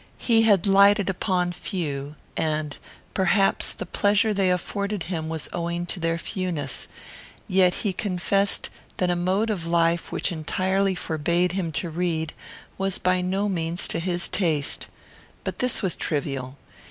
He had lighted upon few, and, perhaps, the pleasure they afforded him was owing to their fewness; yet he confessed that a mode of life which entirely forbade him to read was by no means to his taste. But this was trivial.